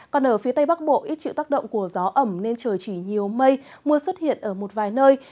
còn ở phía tây bắc bộ ít chịu tác động của gió ẩm nên trời chỉ nhiều mây mưa xuất hiện ở một vài nơi